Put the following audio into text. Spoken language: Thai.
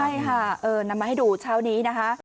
ใช่ค่ะนำมาให้ดูเช้านี้นะคะ